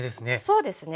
そうですね。